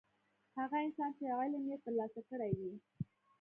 هغه انسان چې علم یې ترلاسه کړی وي.